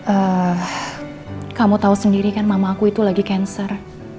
eh kamu tahu sendiri kan mama aku itu lagi cancer